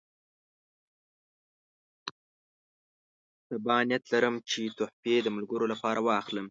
سبا نیت لرم چې تحفې د ملګرو لپاره واخلم.